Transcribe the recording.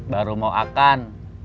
baru mau akan